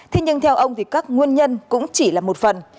thế nhưng theo ông thì các nguyên nhân cũng chỉ là một phần